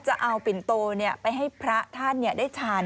จะเอาปินโตเนี่ยไปให้พระท่านเนี่ยได้ฉัน